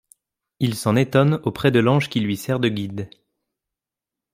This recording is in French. Il s'en étonne auprès de l'ange qui lui sert de guide.